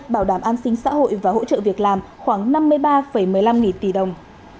bảo đảm an sinh xã hội và hỗ trợ việc làm khoảng năm mươi ba một mươi năm nghìn tỷ đồng